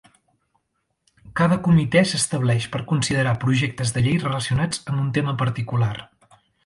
Cada comitè s'estableix per considerar projectes de llei relacionats amb un tema particular.